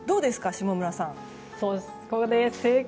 下村さん。